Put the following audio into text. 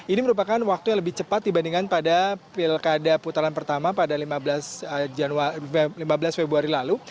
ini merupakan waktu yang lebih cepat dibandingkan pada pilkada putaran pertama pada lima belas februari lalu